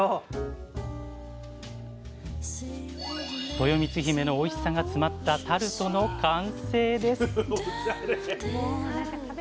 とよみつひめのおいしさが詰まったタルトの完成です！